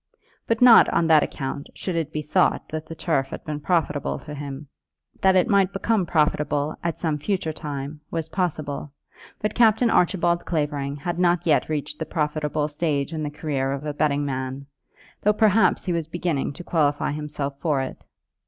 But not, on that account, should it be thought that the turf had been profitable to him. That it might become profitable at some future time, was possible; but Captain Archibald Clavering had not yet reached the profitable stage in the career of a betting man, though perhaps he was beginning to qualify himself for it.